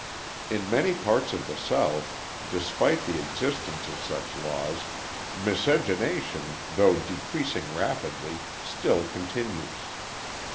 In many parts of the South, despite the existence of such laws, miscegenation, though decreasing rapidly, still continues.